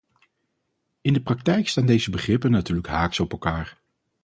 In de praktijk staan deze begrippen natuurlijk haaks op elkaar.